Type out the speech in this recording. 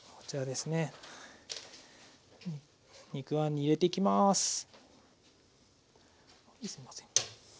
すいません。